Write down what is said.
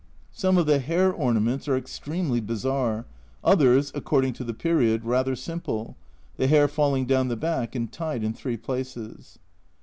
Some of the hair ornaments are extremely bizarre, others (according to the period) rather simple, the hair falling down the back and tied in three places.